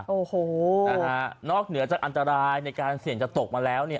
โอ้โหนะฮะนอกเหนือจากอันตรายในการเสี่ยงจะตกมาแล้วเนี่ย